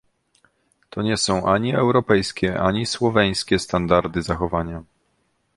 To nie są ani europejskie, ani słoweńskie standardy zachowania